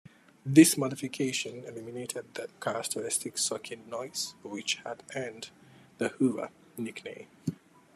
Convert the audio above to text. This modification eliminated the characteristic "sucking" noise which had earned the "Hoover" nickname.